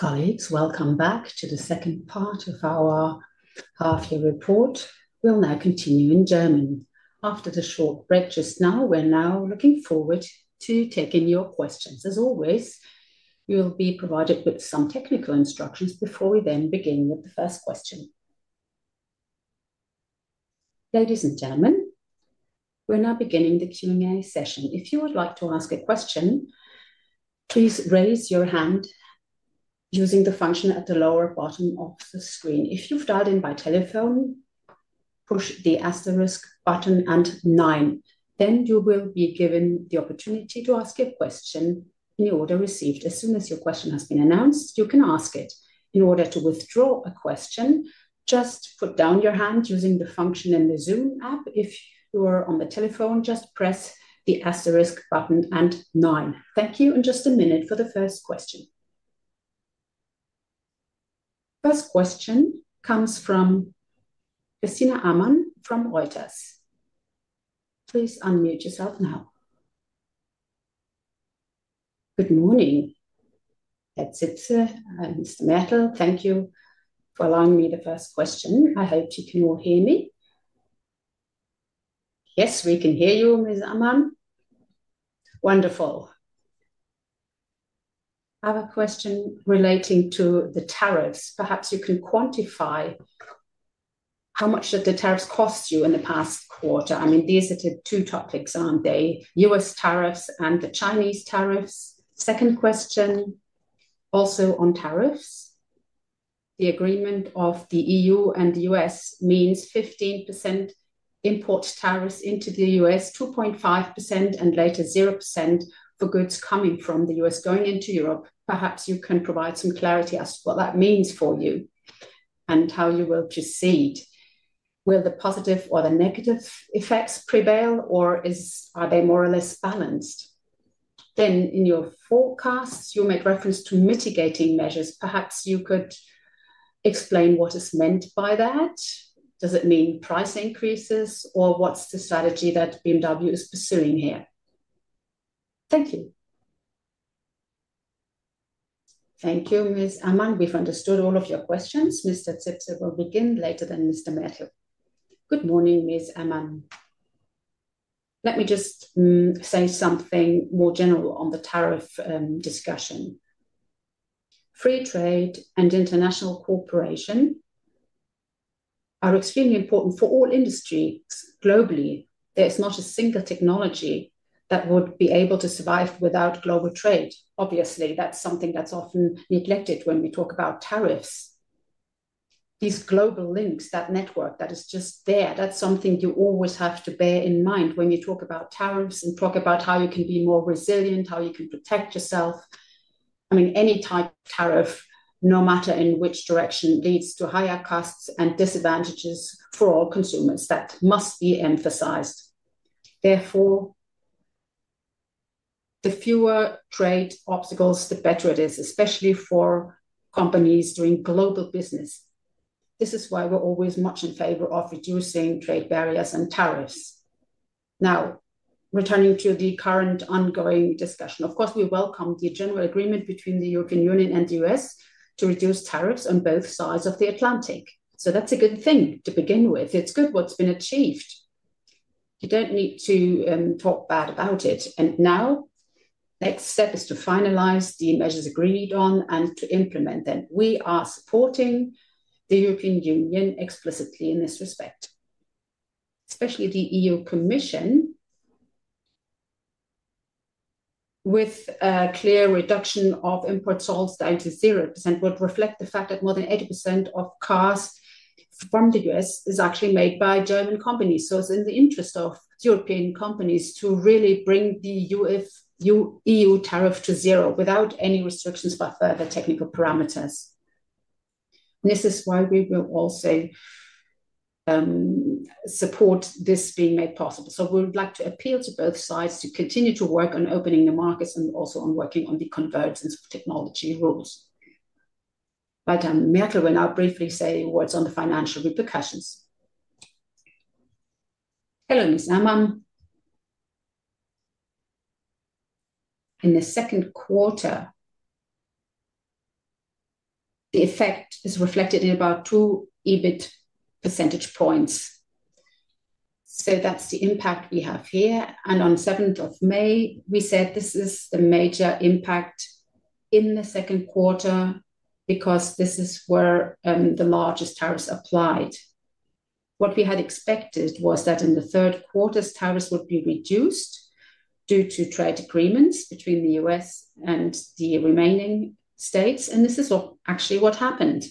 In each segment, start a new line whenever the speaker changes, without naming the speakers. Colleagues, welcome back to the second part of our half-year report. We'll now continue in German. After the short break just now, we're now looking forward to taking your questions. As always, you'll be provided with some technical instructions before we then begin with the first question. Ladies and gentlemen, we're now beginning the Q&A session. If you would like to ask a question, please raise your hand using the function at the lower bottom of the screen. If you've dialed in by telephone, push the asterisk button and nine. Then you will be given the opportunity to ask a question in the order received. As soon as your question has been announced, you can ask it. In order to withdraw a question, just put down your hand using the function in the Zoom app. If you are on the telephone, just press the asterisk button and nine. Thank you. In just a minute for the first question. First question comes from Christina Amann from Reuters. Please unmute yourself now. Good morning. Herr Zipse, Mr. Mertl, thank you for allowing me the first question. I hope you can all hear me. Yes, we can hear you, Ms. Amann.
Wonderful. Other question relating to the tariffs. Perhaps you can quantify. How much did the tariffs cost you in the past quarter? I mean, these are the two topics, aren't they? U.S. tariffs and the Chinese tariffs. Second question, also on tariffs. The agreement of the E.U. and the U.S. means 15% import tariffs into the U.S., 2.5%, and later 0% for goods coming from the U.S. going into Europe. Perhaps you can provide some clarity as to what that means for you and how you will perceive it. Will the positive or the negative effects prevail, or are they more or less balanced? Then in your forecasts, you made reference to mitigating measures. Perhaps you could explain what is meant by that. Does it mean price increases, or what's the strategy that BMW Group is pursuing here? Thank you.
Thank you, Ms. Amann. We've understood all of your questions. Mr. Zipse will begin later than Mr. Mertl.
Good morning, Ms. Amann. Let me just say something more general on the tariff discussion. Free trade and international cooperation are extremely important for all industries globally. There's not a single technology that would be able to survive without global trade. Obviously, that's something that's often neglected when we talk about tariffs. These global links, that network that is just there, that's something you always have to bear in mind when you talk about tariffs and talk about how you can be more resilient, how you can protect yourself. I mean, any type of tariff, no matter in which direction, leads to higher costs and disadvantages for all consumers. That must be emphasized. Therefore, the fewer trade obstacles, the better it is, especially for companies doing global business. This is why we're always much in favor of reducing trade barriers and tariffs. Now, returning to the current ongoing discussion. Of course, we welcome the general agreement between the European Union and the U.S. to reduce tariffs on both sides of the Atlantic. That's a good thing to begin with. It's good what's been achieved. You don't need to talk bad about it. Now, the next step is to finalize the measures agreed on and to implement them. We are supporting the European Union explicitly in this respect, especially the E.U. Commission. With a clear reduction of imports all down to 0% would reflect the fact that more than 80% of cars from the U.S. is actually made by German companies. It's in the interest of European companies to really bring the E.U. tariff to zero without any restrictions by further technical parameters. This is why we will also support this being made possible. We would like to appeal to both sides to continue to work on opening the markets and also on working on the convergence of technology rules. Walter Mertl will now briefly say words on the financial repercussions.
Hello, Ms. Amann. In the Q2, the effect is reflected in about two EBIT percentage points. That's the impact we have here. On 7th of May, we said this is the major impact in the Q2 because this is where the largest tariffs applied. What we had expected was that in the Q3, tariffs would be reduced due to trade agreements between the U.S. and the remaining states. This is actually what happened.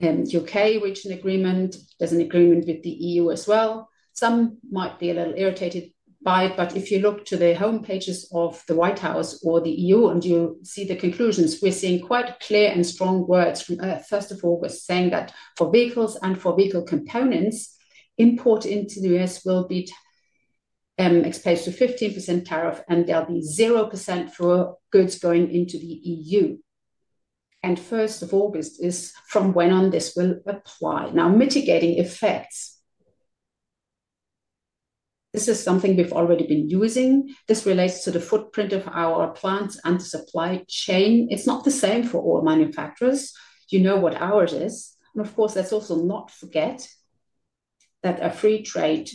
The UK reached an agreement, does an agreement with the E.U. as well. Some might be a little irritated by it, but if you look to the homepages of the White House or the E.U. and you see the conclusions, we're seeing quite clear and strong words. First of all, we're saying that for vehicles and for vehicle components, import into the U.S. will be exposed to 15% tariff, and there'll be 0% for goods going into the E.U. 1st of August is from when on this will apply. Now, mitigating effects. This is something we've already been using. This relates to the footprint of our plants and the supply chain. It's not the same for all manufacturers. You know what ours is. Of course, let's also not forget that a free trade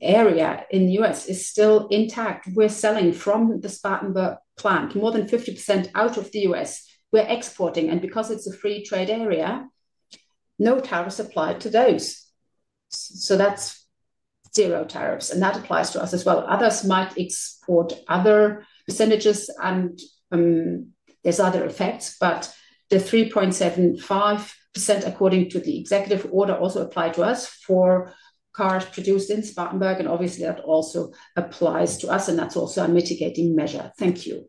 area in the U.S. is still intact. We're selling from the Spartanburg plant more than 50% out of the U.S. We're exporting, and because it's a free trade area, no tariffs apply to those. That's zero tariffs, and that applies to us as well. Others might export other percentages, and there's other effects. The 3.75% according to the executive order also apply to us for cars produced in Spartanburg. Obviously, that also applies to us, and that's also a mitigating measure. Thank you.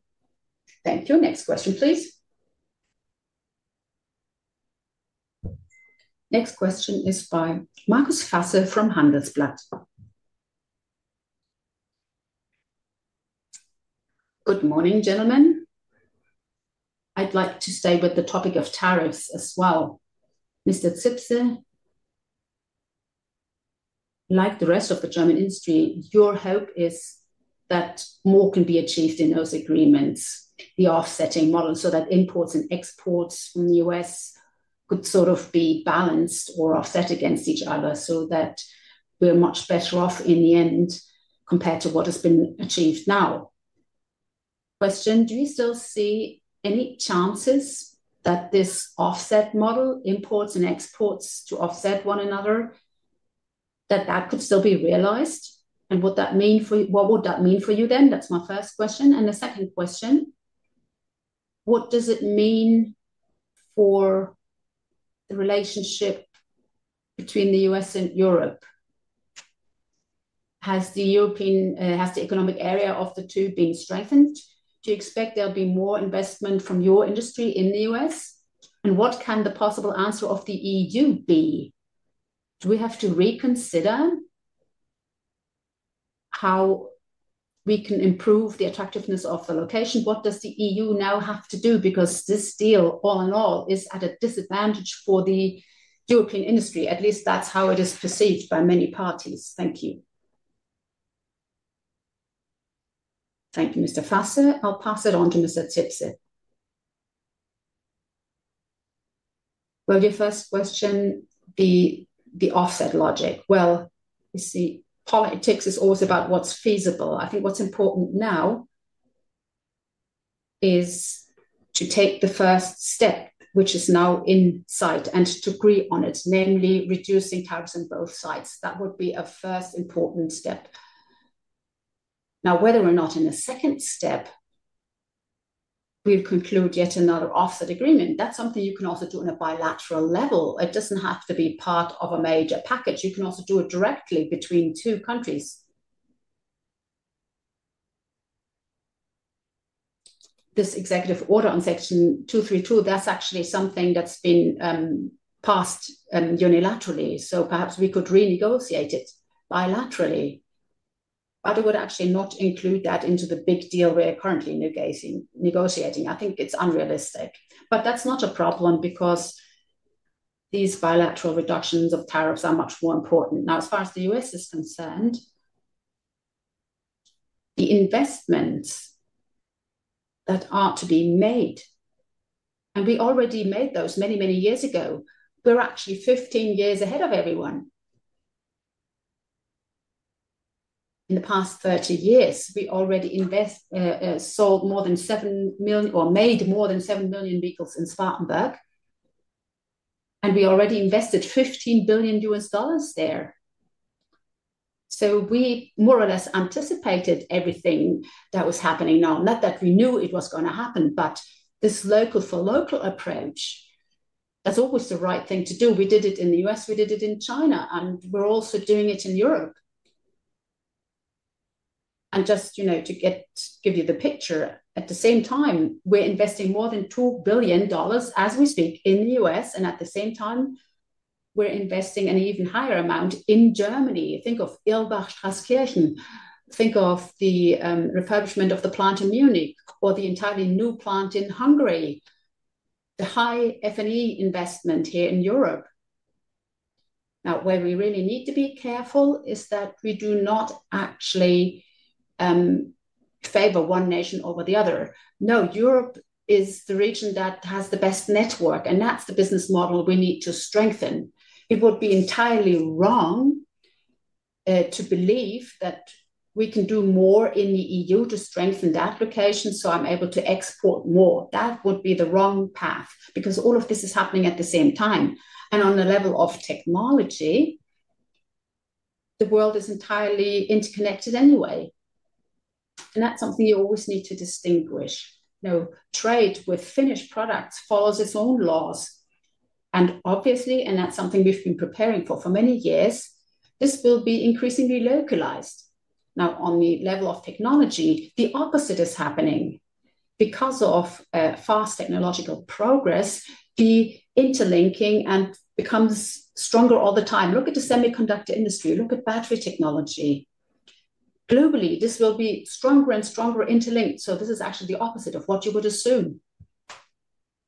Thank you. Next question, please.
Next question is by Markus Fasse from Handelsblatt.
Good morning, gentlemen. I'd like to stay with the topic of tariffs as well. Mr. Zipse, like the rest of the German industry, your hope is that more can be achieved in those agreements, the offsetting model, so that imports and exports from the U.S. could sort of be balanced or offset against each other so that we're much better off in the end compared to what has been achieved now. Question, do you still see any chances that this offset model, imports and exports to offset one another, that that could still be realized? What would that mean for you? What would that mean for you then? That's my first question. The second question, what does it mean for the relationship between the U.S. and Europe? Has the economic area of the two been strengthened? Do you expect there'll be more investment from your industry in the U.S.? What can the possible answer of the E.U. be? Do we have to reconsider how we can improve the attractiveness of the location? What does the E.U. now have to do? Because this deal, all in all, is at a disadvantage for the European industry. At least that's how it is perceived by many parties. Thank you.
Thank you, Mr. Fasse. I'll pass it on to Mr. Zipse.
Your first question, the offset logic. You see, politics is always about what's feasible. I think what's important now is to take the first step, which is now in sight, and to agree on it, namely reducing tariffs on both sides. That would be a first important step. Whether or not in a second step we'll conclude yet another offset agreement, that's something you can also do on a bilateral level. It doesn't have to be part of a major package. You can also do it directly between two countries. This executive order on Section 232, that's actually something that's been passed unilaterally. Perhaps we could renegotiate it bilaterally, but it would actually not include that into the big deal we're currently negotiating. I think it's unrealistic. That's not a problem because these bilateral reductions of tariffs are much more important. Now, as far as the U.S. is concerned, the investments that are to be made, we already made those many, many years ago. We're actually 15 years ahead of everyone. In the past 30 years, we already sold more than $7 million or made more than $7 million vehicles in Spartanburg, and we already invested $15 billion there. We more or less anticipated everything that was happening now. Not that we knew it was going to happen, but this local-for-local approach, that's always the right thing to do. We did it in the U.S., we did it in China, and we're also doing it in Europe. Just to give you the picture, at the same time, we're investing more than $2 billion as we speak in the U.S., and at the same time, we're investing an even higher amount in Germany. Think of Illbach, Straßkirchen. Think of the refurbishment of the plant in Munich or the entirely new plant in Hungary, the high F&E investment here in Europe. Now, where we really need to be careful is that we do not actually favor one nation over the other. No, Europe is the region that has the best network, and that's the business model we need to strengthen. It would be entirely wrong to believe that we can do more in the E.U. to strengthen that location so I'm able to export more. That would be the wrong path because all of this is happening at the same time. On the level of technology, the world is entirely interconnected anyway, and that's something you always need to distinguish. Trade with finished products follows its own laws. Obviously, and that's something we've been preparing for for many years, this will be increasingly localized. On the level of technology, the opposite is happening. Because of fast technological progress, the interlinking becomes stronger all the time. Look at the semiconductor industry. Look at battery technology. Globally, this will be stronger and stronger interlinked. This is actually the opposite of what you would assume,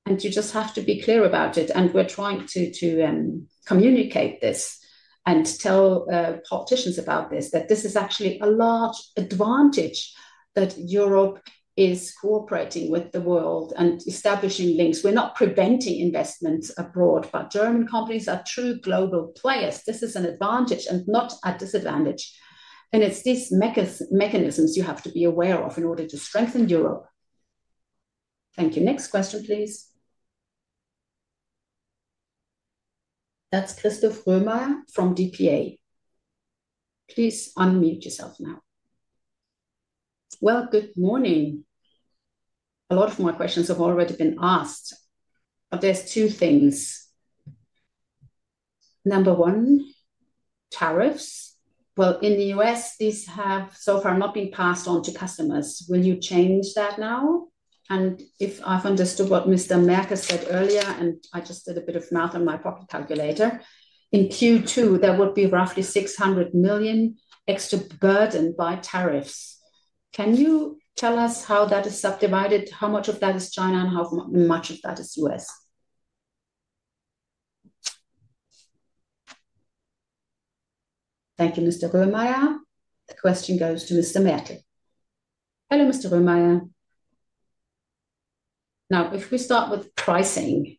and you just have to be clear about it. We're trying to. Communicate this and tell politicians about this, that this is actually a large advantage that Europe is cooperating with the world and establishing links. We're not preventing investments abroad, but German companies are true global players. This is an advantage and not a disadvantage. It's these mechanisms you have to be aware of in order to strengthen Europe. Thank you. Next question, please.
That's Christoph Römer from DPA. Please unmute yourself now.
Good morning. A lot of my questions have already been asked, but there's two things. Number one. Tariffs. In the U.S., these have so far not been passed on to customers. Will you change that now? If I've understood what Mr. Mertl said earlier, and I just did a bit of math on my pocket calculator, in Q2, there would be roughly 600 million extra burden by tariffs. Can you tell us how that is subdivided, how much of that is China and how much of that is U.S.?
Thank you, Mr. Römer. The question goes to Mr. Mertl. Hello, Mr. Römer.
If we start with pricing,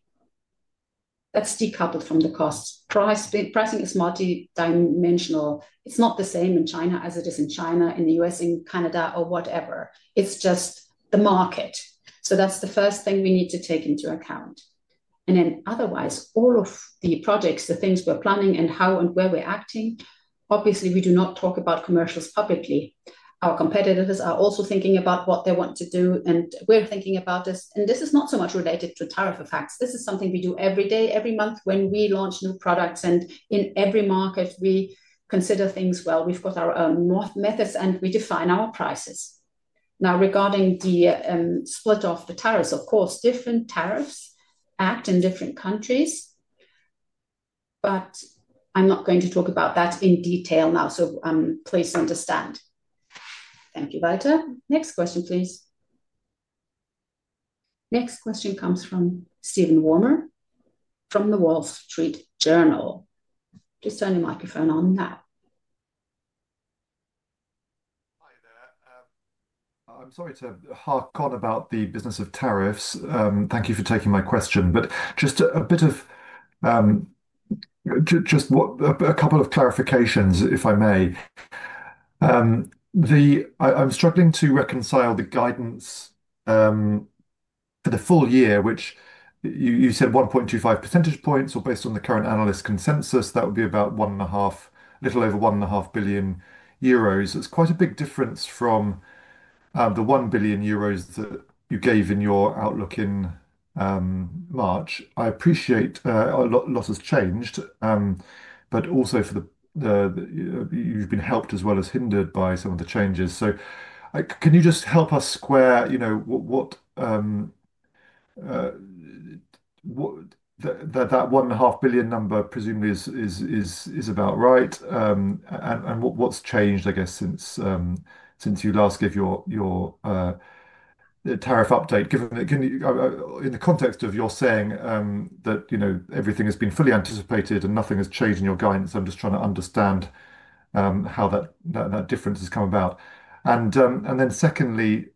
that's decoupled from the cost. Pricing is multidimensional. It's not the same in China as it is in the U.S., in Canada, or whatever. It's just the market. That's the first thing we need to take into account. Otherwise, all of the projects, the things we're planning, and how and where we're acting, obviously, we do not talk about commercials publicly. Our competitors are also thinking about what they want to do, and we're thinking about this. This is not so much related to tariff effects. This is something we do every day, every month when we launch new products. In every market, we consider things well. We've got our own methods, and we define our prices. Now, regarding the split of the tariffs, of course, different tariffs act in different countries. I'm not going to talk about that in detail now, so please understand. Thank you, Walter. Next question, please.
Next question comes from Stephen Wilmot from The Wall Street Journal. Just turn the microphone on now.
Hi there. I'm sorry to hark on about the business of tariffs. Thank you for taking my question, but just a bit of, just a couple of clarifications, if I may. I'm struggling to reconcile the guidance. For the full year, which you said 1.25 percentage points, or based on the current analyst consensus, that would be about one and a half, a little over 1.5 billion euros. It's quite a big difference from. The 1 billion euros that you gave in your outlook in March. I appreciate a lot has changed. Also, you've been helped as well as hindered by some of the changes. Can you just help us square that 1.5 billion number? Presumably, it is about right. What's changed, I guess, since you last gave your tariff update? In the context of your saying that everything has been fully anticipated and nothing has changed in your guidance, I'm just trying to understand how that difference has come about. Secondly,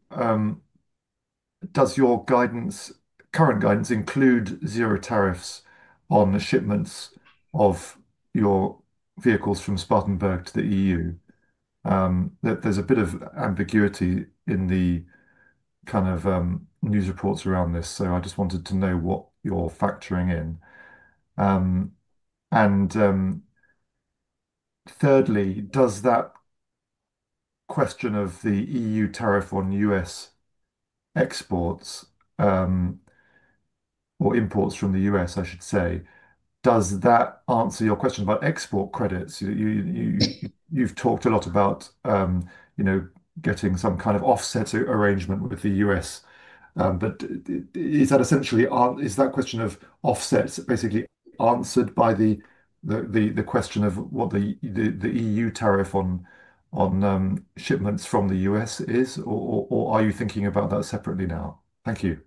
does your current guidance include 0% tariffs on the shipments of your vehicles from Spartanburg to the E.U.? There's a bit of ambiguity in the kind of news reports around this, so I just wanted to know what you're factoring in. Thirdly, does that question of the E.U. tariff on U.S. exports, or imports from the U.S., I should say, does that answer your question about export credits? You've talked a lot about getting some kind of offset arrangement with the U.S., but is that essentially, is that question of offsets basically answered by the question of what the E.U. tariff on shipments from the U.S. is? Or are you thinking about that separately now? Thank you.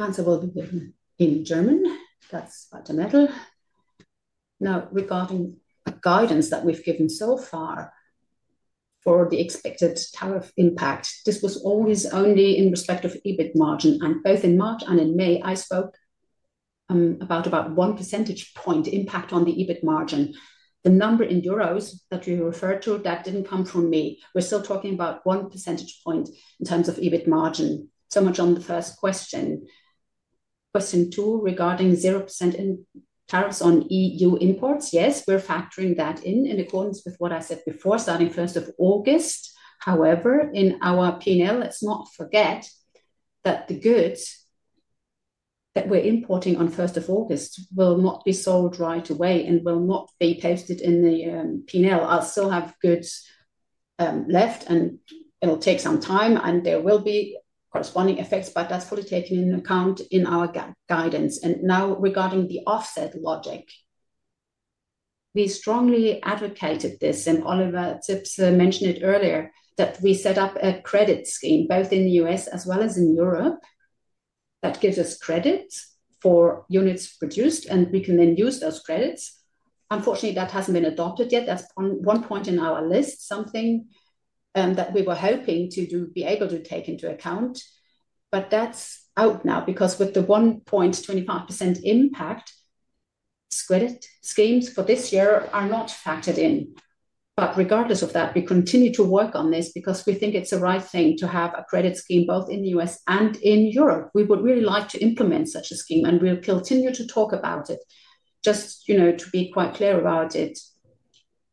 Answer will be in German. That's what I'm at. Now, regarding guidance that we've given so far for the expected tariff impact, this was always only in respect of EBIT margin. Both in March and in May, I spoke about one percentage point impact on the EBIT margin. The number in EUR that you referred to, that didn't come from me. We're still talking about one percentage point in terms of EBIT margin. So much on the first question. Question two regarding 0% in tariffs on E.U. imports, yes, we're factoring that in in accordance with what I said before, starting 1st of August. However, in our P&L, let's not forget that the goods that we're importing on 1st of August will not be sold right away and will not be posted in the P&L. I'll still have goods left, and it'll take some time, and there will be corresponding effects, but that's fully taken into account in our guidance. Now, regarding the offset logic. We strongly advocated this, and Oliver Zipse mentioned it earlier, that we set up a credit scheme both in the U.S. as well as in Europe. That gives us credits for units produced, and we can then use those credits. Unfortunately, that hasn't been adopted yet. That's one point in our list, something that we were hoping to be able to take into account. That's out now because with the 1.25% impact, credit schemes for this year are not factored in. Regardless of that, we continue to work on this because we think it's the right thing to have a credit scheme both in the U.S. and in Europe. We would really like to implement such a scheme, and we'll continue to talk about it. Just to be quite clear about it,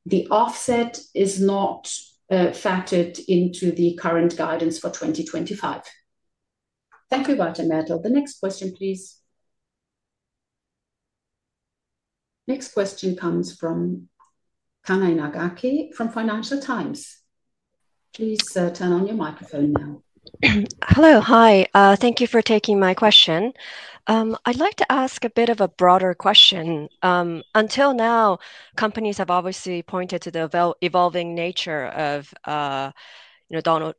the offset is not factored into the current guidance for 2025. Thank you, Walter Mertl. The next question, please.
Next question comes from Kana Inagaki from Financial Times. Please turn on your microphone now. Hello. Hi.
Thank you for taking my question. I'd like to ask a bit of a broader question. Until now, companies have obviously pointed to the evolving nature of the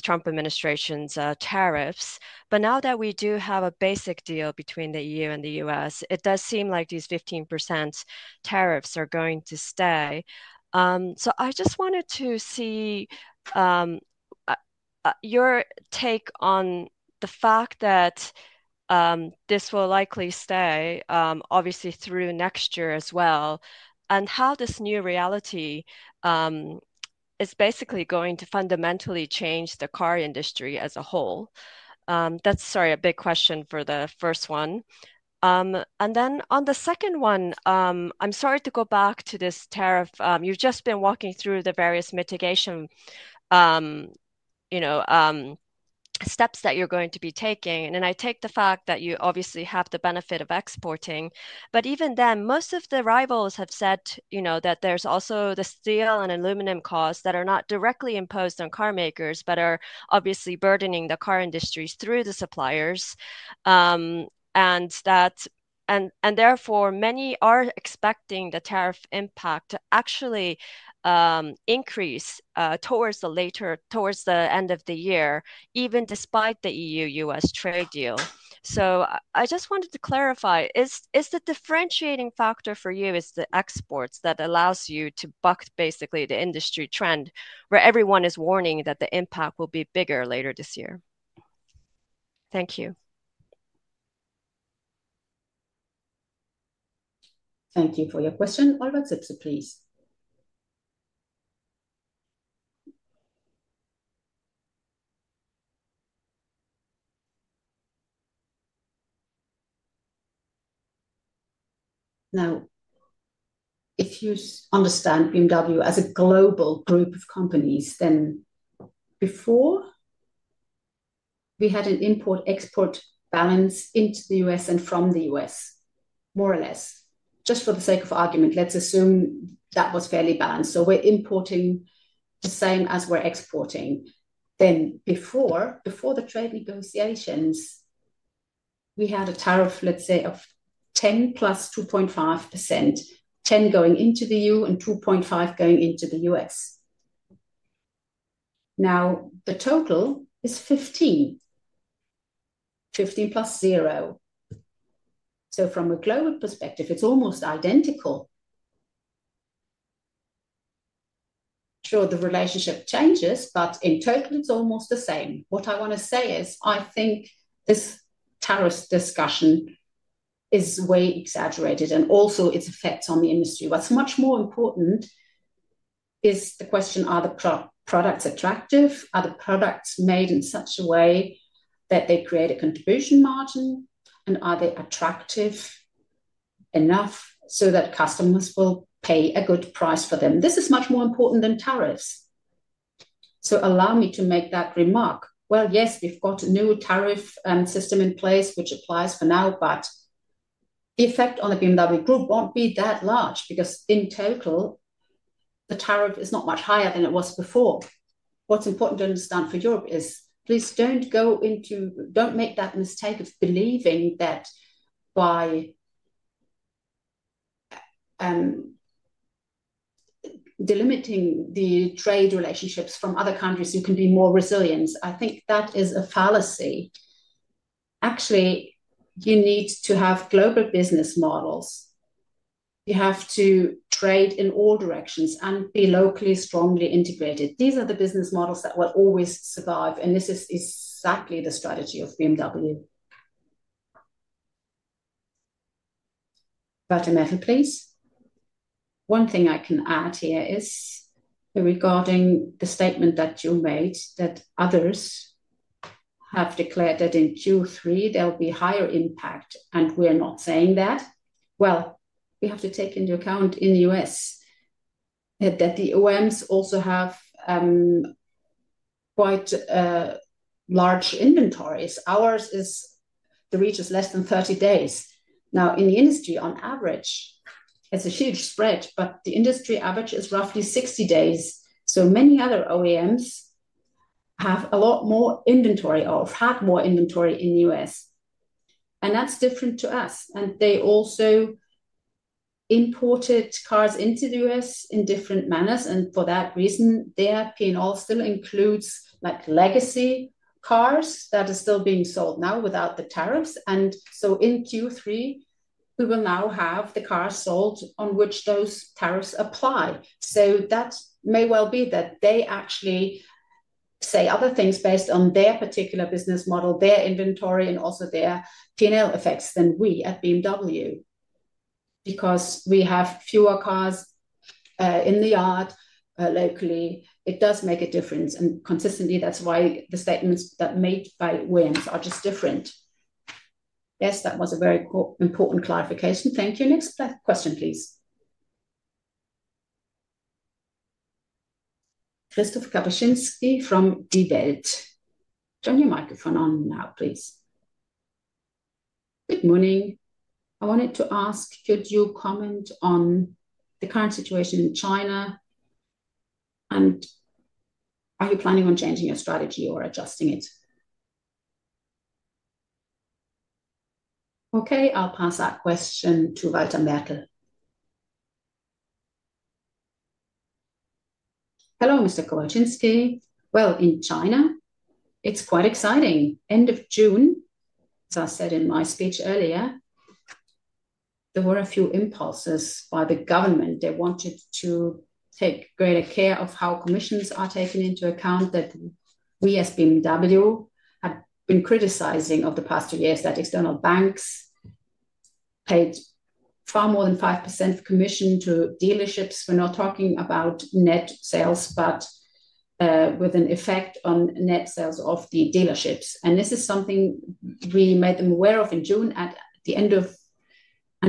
Trump administration's tariffs. Now that we do have a basic deal between the EU and the U.S., it does seem like these 15% tariffs are going to stay. I just wanted to see your take on the fact that this will likely stay, obviously, through next year as well, and how this new reality is basically going to fundamentally change the car industry as a whole. That's, sorry, a big question for the first one. On the second one, I'm sorry to go back to this tariff. You've just been walking through the various mitigation steps that you're going to be taking. I take the fact that you obviously have the benefit of exporting. Even then, most of the rivals have said that there's also the steel and aluminum costs that are not directly imposed on carmakers but are obviously burdening the car industry through the suppliers. Therefore, many are expecting the tariff impact to actually increase towards the end of the year, even despite the E.U.-U.S. trade deal. I just wanted to clarify, is the differentiating factor for you the exports that allows you to buck basically the industry trend where everyone is warning that the impact will be bigger later this year? Thank you.
Thank you for your question. Oliver Zipse, please.
If you understand BMW as a global group of companies, then before, we had an import-export balance into the U.S. and from the U.S., more or less. Just for the sake of argument, let's assume that was fairly balanced, so we're importing the same as we're exporting. Before the trade negotiations, we had a tariff, let's say, of 10% + 2.5%, 10% going into the E.U. and 2.5% going into the U.S. Now, the total is 15%, 15% + 0%. From a global perspective, it's almost identical. Sure, the relationship changes, but in total, it's almost the same. What I want to say is, I think this tariff discussion is way exaggerated, and also its effects on the industry. What's much more important is the question, are the products attractive? Are the products made in such a way that they create a contribution margin? And are they attractive enough so that customers will pay a good price for them? This is much more important than tariffs. Allow me to make that remark. Yes, we've got a new tariff system in place, which applies for now, but the effect on the BMW Group won't be that large because in total, the tariff is not much higher than it was before. What's important to understand for Europe is, please don't go into, don't make that mistake of believing that by delimiting the trade relationships from other countries, you can be more resilient. I think that is a fallacy. Actually, you need to have global business models. You have to trade in all directions and be locally strongly integrated. These are the business models that will always survive. This is exactly the strategy of BMW. Mertl, please. One thing I can add here is regarding the statement that you made that others have declared that in Q3, there'll be higher impact, and we're not saying that. We have to take into account in the U.S. that the OEMs also have quite large inventories. Ours is, the reach is less than 30 days. In the industry, on average, it's a huge spread, but the industry average is roughly 60 days. Many other OEMs have a lot more inventory or had more inventory in the U.S., and that's different to us. They also imported cars into the U.S. in different manners. For that reason, their P&L still includes legacy cars that are still being sold now without the tariffs. In Q3, we will now have the cars sold on which those tariffs apply. That may well be that they actually say other things based on their particular business model, their inventory, and also their P&L effects than we at BMW. Because we have fewer cars in the yard locally, it does make a difference. Consistently, that's why the statements that are made by OEMs are just different. Yes, that was a very important clarification. Thank you. Next question, please.
[Ryszard Kapuściński]. Turn your microphone on now, please.
Good morning. I wanted to ask, could you comment on the current situation in China? And. Are you planning on changing your strategy or adjusting it?
Okay. I'll pass that question to Walter Mertl.
Hello [Mr. Ryszard Kapuściński]. In China, it's quite exciting. End of June, as I said in my speech earlier, there were a few impulses by the government. They wanted to take greater care of how commissions are taken into account that we as BMW had been criticizing over the past two years, that external banks paid far more than 5% commission to dealerships. We're not talking about net sales, but with an effect on net sales of the dealerships. This is something we made them aware of in June at the end of.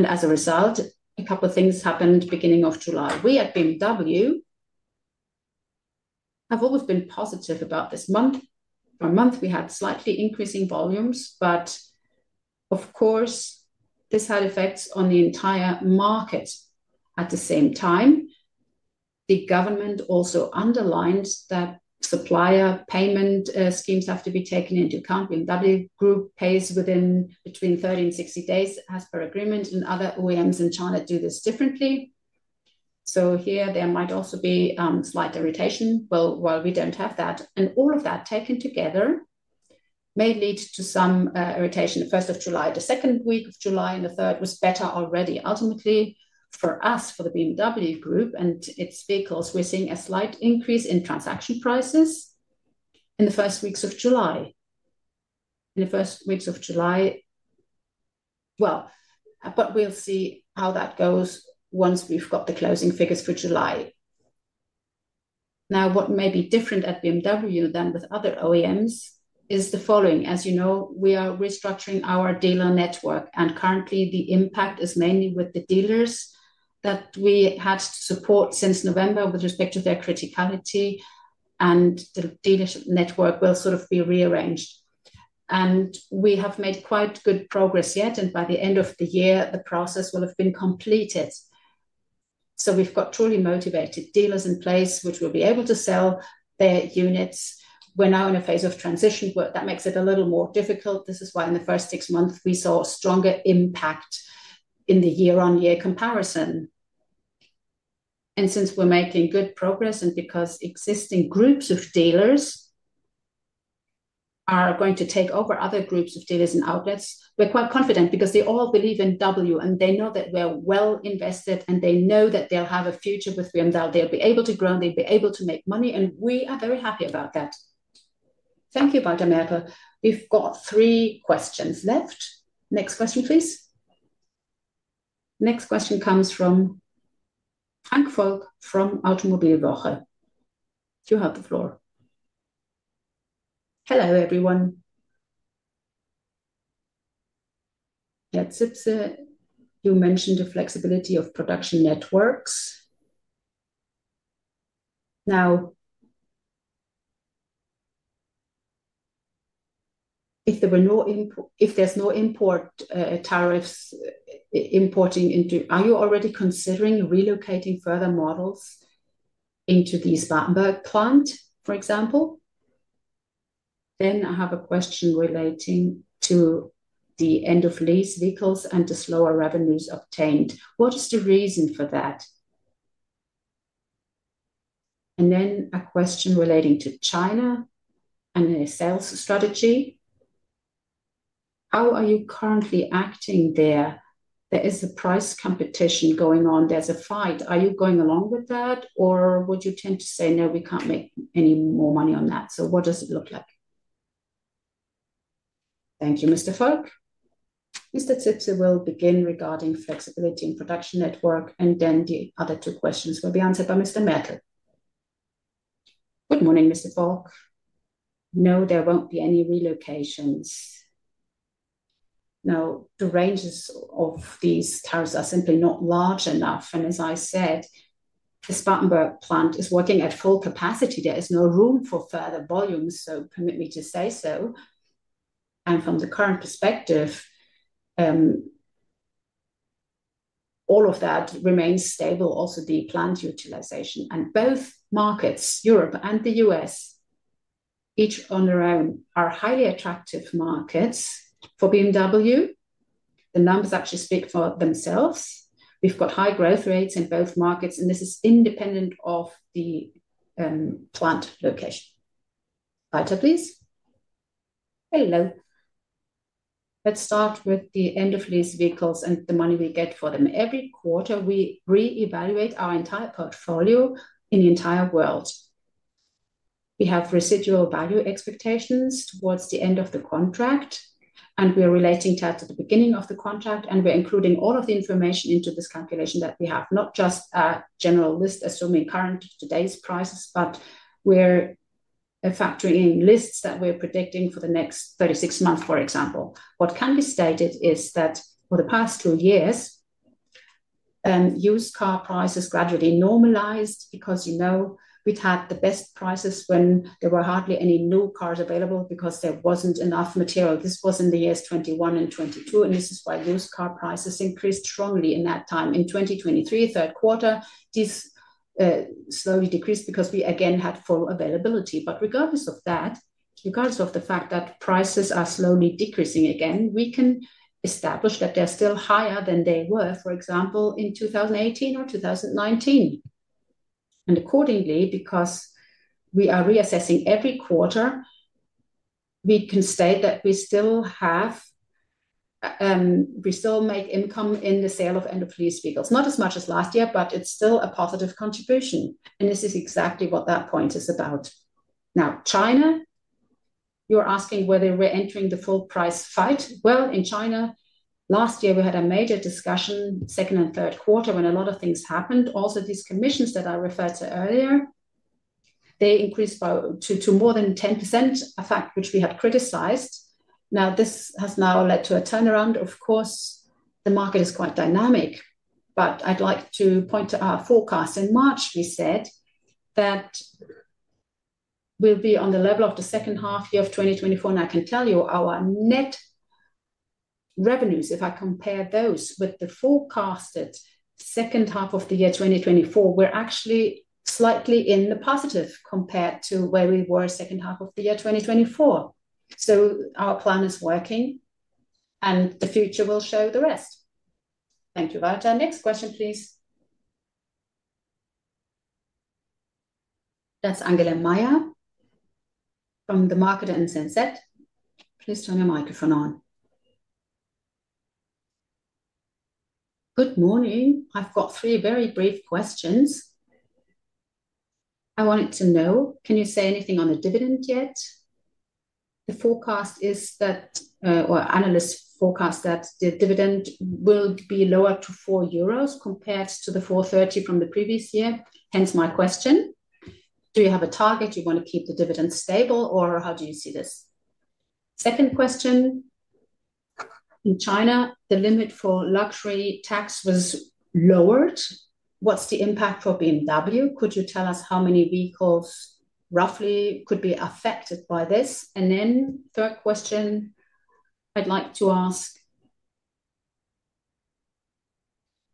As a result, a couple of things happened beginning of July. We at BMW have always been positive about this month. For a month, we had slightly increasing volumes, but of course, this had effects on the entire market at the same time. The government also underlined that supplier payment schemes have to be taken into account. BMW Group pays within between 30 and 60 days as per agreement, and other OEMs in China do this differently. Here, there might also be slight irritation. We don't have that, and all of that taken together may lead to some irritation. July 1, the second week of July, and the third was better already. Ultimately, for us, for the BMW Group and its vehicles, we're seeing a slight increase in transaction prices in the first weeks of July. In the first weeks of July, we'll see how that goes once we've got the closing figures for July. What may be different at BMW than with other OEMs is the following. As you know, we are restructuring our dealer network, and currently, the impact is mainly with the dealers that we had to support since November with respect to their criticality, and the dealership network will sort of be rearranged. We have made quite good progress yet, and by the end of the year, the process will have been completed. We've got truly motivated dealers in place, which will be able to sell their units. We're now in a phase of transition, but that makes it a little more difficult. This is why in the first six months, we saw stronger impact in the year-on-year comparison. Since we're making good progress and because existing groups of dealers are going to take over other groups of dealers and outlets, we're quite confident because they all believe in BMW, and they know that we're well invested, and they know that they'll have a future with BMW. They'll be able to grow, and they'll be able to make money, and we are very happy about that. Thank you, Walter Mertl. We've got three questions left. Next question, please.
Next question comes from Frank Volk from Automobilwoche. You have the floor.
Hello, everyone. Yeah, Zipse, you mentioned the flexibility of production networks. Now, if there were no import, if there's no import tariffs, importing into, are you already considering relocating further models into the Spartanburg plant, for example? I have a question relating to the end-of-lease vehicles and the slower revenues obtained. What is the reason for that? And a question relating to China and their sales strategy. How are you currently acting there? There is a price competition going on. There's a fight. Are you going along with that, or would you tend to say, "No, we can't make any more money on that"? What does it look like? Thank you, Mr. Volk. Mr. Zipse will begin regarding flexibility in production network, and then the other two questions will be answered by Mr. Mertl.
Good morning, Mr. Volk. No, there won't be any relocations. No, the ranges of these tariffs are simply not large enough. As I said, the Spartanburg plant is working at full capacity. There is no room for further volumes, so permit me to say so. From the current perspective, all of that remains stable. Also, the plant utilization and both markets, Europe and the U.S., each on their own, are highly attractive markets for BMW. The numbers actually speak for themselves. We've got high growth rates in both markets, and this is independent of the plant location. Lighter, please. Hello. Let's start with the end-of-lease vehicles and the money we get for them. Every quarter, we reevaluate our entire portfolio in the entire world. We have residual value expectations towards the end of the contract, and we are relating to that at the beginning of the contract, and we're including all of the information into this calculation that we have, not just a general list assuming current today's prices, but we're factoring in lists that we're predicting for the next 36 months, for example. What can be stated is that for the past two years, used car prices gradually normalized because we'd had the best prices when there were hardly any new cars available because there wasn't enough material. This was in the years 2021 and 2022, and this is why used car prices increased strongly in that time. In 2023, Q3, this. Slowly decreased because we, again, had full availability. Regardless of that, regardless of the fact that prices are slowly decreasing again, we can establish that they're still higher than they were, for example, in 2018 or 2019. Accordingly, because we are reassessing every quarter, we can state that we still have, we still make income in the sale of end-of-lease vehicles. Not as much as last year, but it's still a positive contribution. This is exactly what that point is about. Now, China. You're asking whether we're entering the full-price fight. In China, last year, we had a major discussion second and Q3 when a lot of things happened. Also, these commissions that I referred to earlier, they increased to more than 10%, a fact which we had criticized. This has now led to a turnaround. Of course, the market is quite dynamic, but I'd like to point to our forecast. In March, we said that we'll be on the level of the second half year of 2024. I can tell you our net revenues, if I compare those with the forecasted second half of the year 2024, we're actually slightly in the positive compared to where we were second half of the year 2024. Our plan is working. The future will show the rest. Thank you, Walter. Next question, please.
That's [Angela Meyer from Markt und Mittelstand. Please turn your microphone on.
Good morning. I've got three very brief questions. I wanted to know, can you say anything on the dividend yet? The forecast is that, or analysts forecast that the dividend will be lower to 4 euros compared to the 4.30 from the previous year. Hence my question. Do you have a target? You want to keep the dividend stable, or how do you see this? Second question. In China, the limit for luxury tax was lowered. What's the impact for BMW? Could you tell us how many vehicles roughly could be affected by this? Third question. I'd like to ask,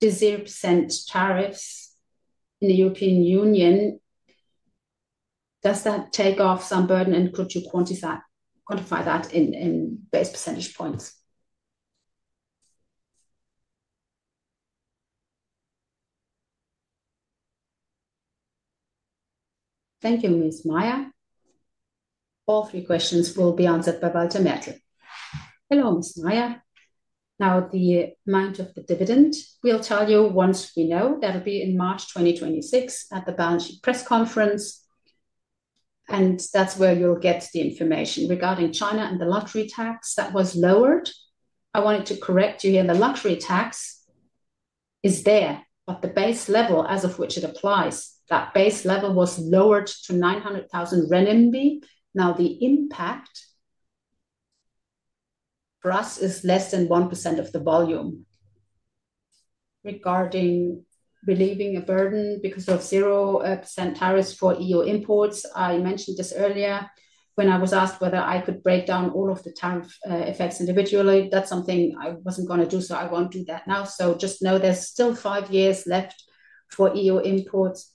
the 0% tariffs in the E.U., does that take off some burden, and could you quantify that in base percentage points?
Thank you, Ms. Meyer. All three questions will be answered by Walter Mertl.
Hello, Ms. Meyer. Now, the amount of the dividend, we'll tell you once we know. That'll be in March 2026 at the Balance Sheet Press Conference. That's where you'll get the information regarding China and the luxury tax that was lowered. I wanted to correct you here. The luxury tax. Is there, but the base level as of which it applies, that base level was lowered to 900,000 renminbi. Now, the impact for us is less than 1% of the volume. Regarding relieving a burden because of 0% tariffs for E.U. imports, I mentioned this earlier when I was asked whether I could break down all of the tariff effects individually. That's something I wasn't going to do, so I won't do that now. Just know there's still five years left for E.U. imports.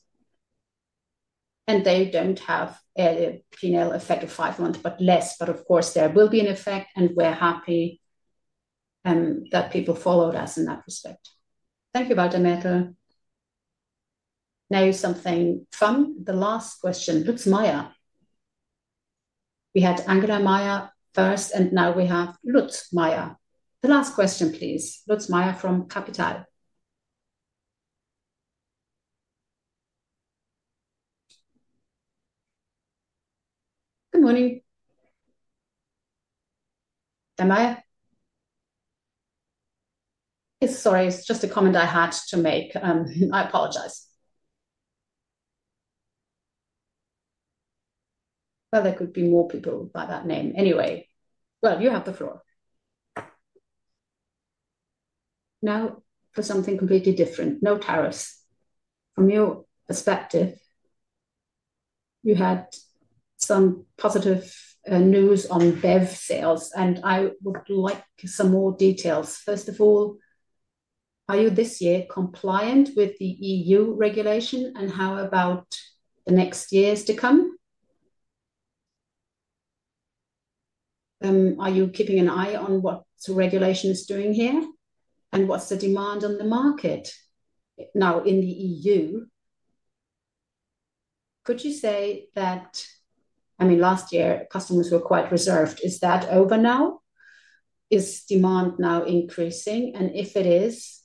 They don't have a P&L effect of five months, but less. Of course, there will be an effect, and we're happy that people followed us in that respect. Thank you, Walter Mertl. Now, something fun.
The last question, Lutz Meyer. We had Angela Meyer first, and now we have Lutz Meyer. The last question, please. Lutz Meyer from Capital. Good morning. Am I? Yes, sorry. It's just a comment I had to make. I apologize. There could be more people by that name. Anyway, you have the floor. Now, for something completely different, no tariffs. From your perspective, you had some positive news on BEV sales, and I would like some more details. First of all, are you this year compliant with the E.U. regulation, and how about the next years to come? Are you keeping an eye on what the regulation is doing here, and what's the demand on the market? Now, in the E.U., could you say that, I mean, last year, customers were quite reserved. Is that over now? Is demand now increasing? If it is,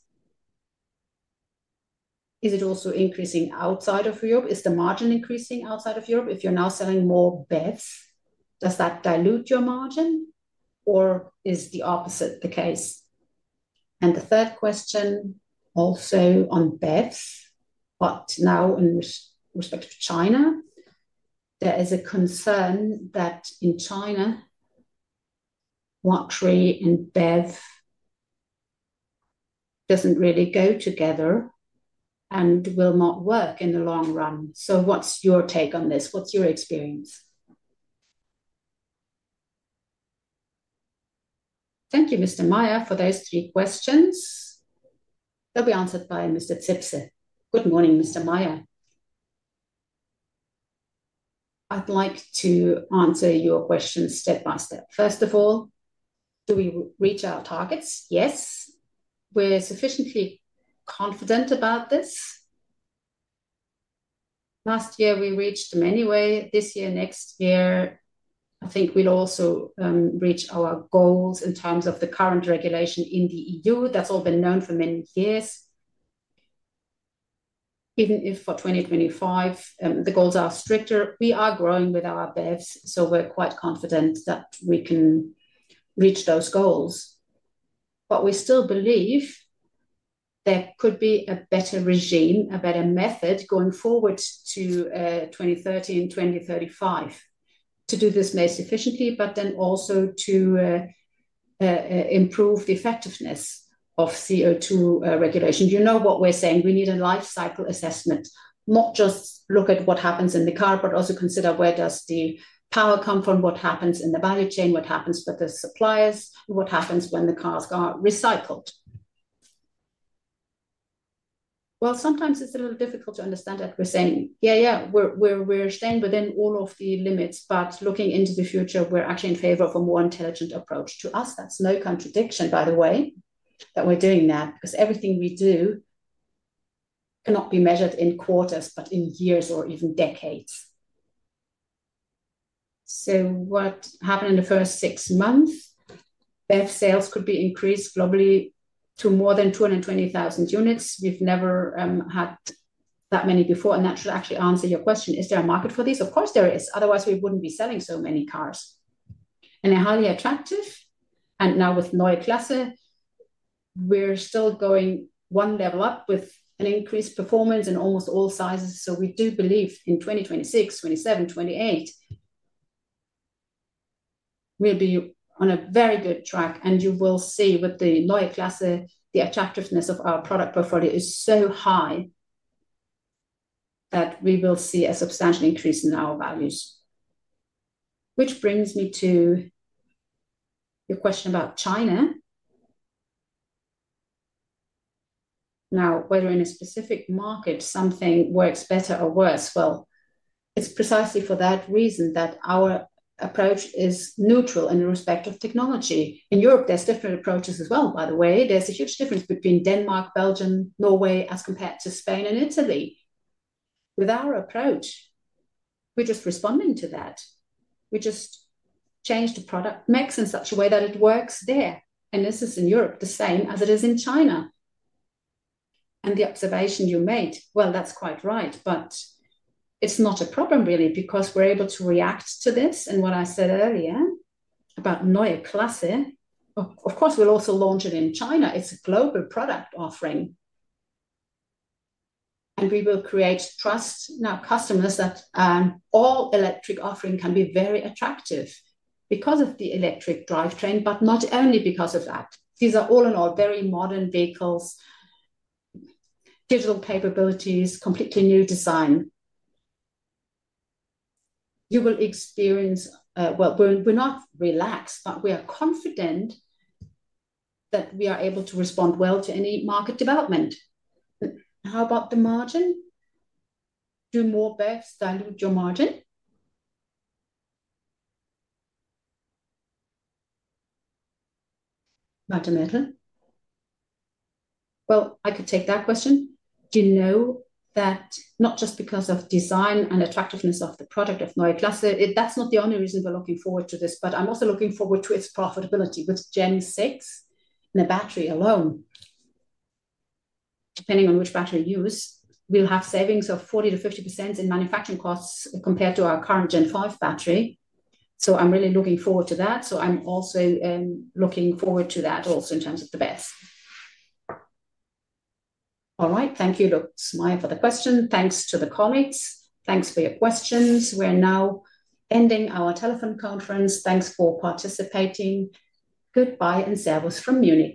is it also increasing outside of Europe? Is the margin increasing outside of Europe? If you're now selling more BEVs, does that dilute your margin, or is the opposite the case? The third question also on BEVs, but now in respect to China. There is a concern that in China, luxury and BEV doesn't really go together and will not work in the long run. What's your take on this? What's your experience? Thank you, Mr. Meyer, for those three questions. They'll be answered by Mr. Zipse.
Good morning, Mr. Meyer. I'd like to answer your questions step by step. First of all, do we reach our targets? Yes. We're sufficiently confident about this. Last year, we reached them anyway. This year, next year, I think we'll also reach our goals in terms of the current regulation in the E.U. That's all been known for many years. Even if for 2025, the goals are stricter, we are growing with our BEVs, so we're quite confident that we can reach those goals. We still believe there could be a better regime, a better method going forward to. 2030 and 2035. To do this most efficiently, but then also to improve the effectiveness of CO2 regulation. You know what we're saying? We need a life cycle assessment. Not just look at what happens in the car, but also consider where does the power come from, what happens in the value chain, what happens with the suppliers, what happens when the cars are recycled. Sometimes it's a little difficult to understand that we're saying, "Yeah, yeah, we're staying within all of the limits," but looking into the future, we're actually in favor of a more intelligent approach. To us, that's no contradiction, by the way, that we're doing that because everything we do cannot be measured in quarters, but in years or even decades. What happened in the first six months? BEV sales could be increased globally to more than 220,000 units. We've never had that many before, and that should actually answer your question. Is there a market for these? Of course there is. Otherwise, we wouldn't be selling so many cars, and they're highly attractive. Now with Neue Klasse, we're still going one level up with an increased performance in almost all sizes. We do believe in 2026, 2027, 2028, we'll be on a very good track. You will see with the Neue Klasse, the attractiveness of our product portfolio is so high that we will see a substantial increase in our values. Which brings me to your question about China. Now, whether in a specific market, something works better or worse, it's precisely for that reason that our approach is neutral in respect of technology. In Europe, there's different approaches as well, by the way. There's a huge difference between Denmark, Belgium, Norway, as compared to Spain and Italy. With our approach, we're just responding to that. We just change the product mix in such a way that it works there. This is in Europe the same as it is in China. The observation you made, that's quite right, but it's not a problem really because we're able to react to this. What I said earlier about Neue Klasse, of course, we'll also launch it in China. It's a global product offering, and we will create trust. Now, customers, that all-electric offering can be very attractive because of the electric drivetrain, but not only because of that. These are all in all very modern vehicles. Digital capabilities, completely new design. You will experience, we're not relaxed, but we are confident. That we are able to respond well to any market development.
How about the margin? Do more BEVs dilute your margin? Walter Mertl.
I could take that question. Do you know that not just because of design and attractiveness of the product of Neue Klasse, that's not the only reason we're looking forward to this, but I'm also looking forward to its profitability with Gen 6 and the battery alone. Depending on which battery you use, we'll have savings of 40%-50% in manufacturing costs compared to our current Gen 5 battery. I'm really looking forward to that. I'm also looking forward to that also in terms of the BEVs. All right. Thank you, Lutz Meyer, for the question. Thanks to the colleagues. Thanks for your questions. We're now ending our telephone conference. Thanks for participating. Goodbye and servus from Munich.